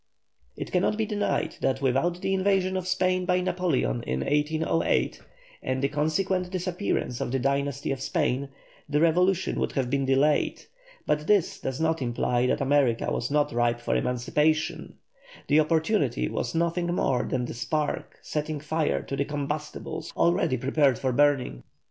It cannot be denied that without the invasion of Spain by Napoleon in 1808, and the consequent disappearance of the dynasty of Spain, the revolution would have been delayed; but this does not imply that America was not ripe for emancipation, the opportunity was nothing more than the spark setting fire to the combustibles already prepared for burning.